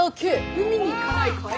海に行かないかい？